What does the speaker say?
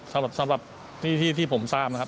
๗๐๐๐๐บาทสำหรับที่ผมทราบนะครับ